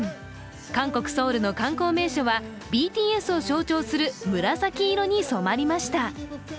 韓国・ソウルの観光名所はＢＴＳを象徴する紫色に染まりました。